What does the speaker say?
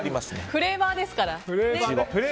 フレーバーですから。